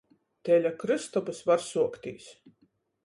Teļa krystobys var suoktīs.